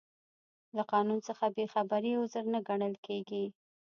له قانون څخه بې خبري عذر نه ګڼل کیږي.